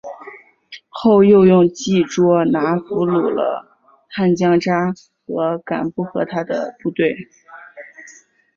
后又用计捉拿俘虏了叛将札合敢不和他的部众。